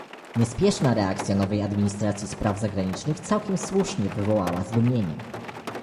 Niespieszna reakcja nowej administracji spraw zagranicznych całkiem słusznie wywołała zdumienie